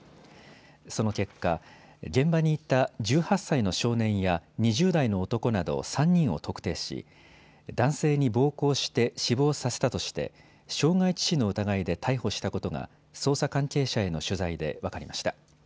その結果、現場にいた１８歳の少年や２０代の男など３人を特定し男性に暴行して死亡させたとして傷害致死の疑いで逮捕したことが捜査関係者への取材で分かりました。